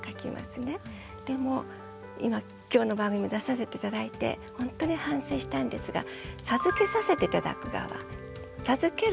でも今今日の番組に出させて頂いてほんとに反省したんですが授けさせて頂く側授ける授援力